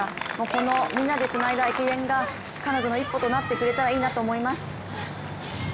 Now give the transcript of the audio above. このみんなでつないだ駅伝が彼女の一歩になってくれたらいいなと思います。